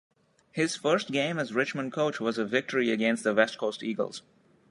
His first game as Richmond coach was a victory against the West Coast Eagles.